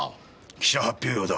記者発表用だ。